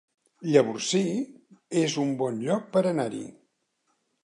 Llavorsí es un bon lloc per anar-hi